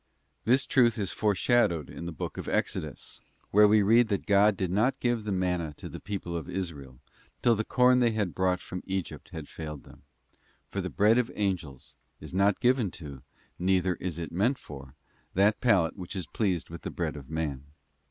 This truth is foreshadowed in the book of Exodus,t where we read that God did not give the manna to the people of Israel till the corn they had brought from Egypt had failed them, for the bread of angels is not given to, neither is it meant for, that palate which is pleased with the bread of man.